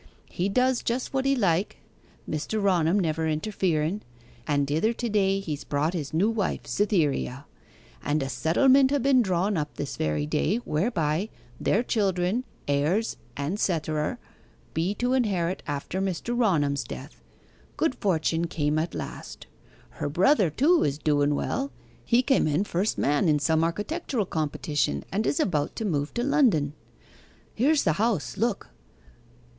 He does just what he'd like Mr. Raunham never interferen and hither to day he's brought his new wife, Cytherea. And a settlement ha' been drawn up this very day, whereby their children, heirs, and cetrer, be to inherit after Mr. Raunham's death. Good fortune came at last. Her brother, too, is doen well. He came in first man in some architectural competition, and is about to move to London. Here's the house, look.